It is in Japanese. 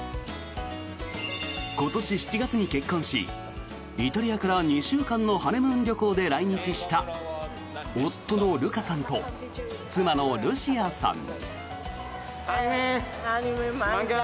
今年７月に結婚しイタリアから２週間のハネムーン旅行で来日した夫のルカさんと妻のルシアさん。